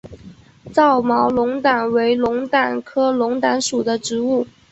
糙毛龙胆为龙胆科龙胆属的植物。